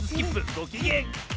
ごきげん。